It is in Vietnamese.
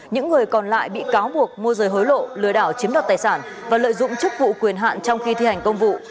những người còn lại bị cáo buộc mua rời hối lộ lừa đảo chiếm đoạt tài sản và lợi dụng chức vụ quyền hạn trong khi thi hành công vụ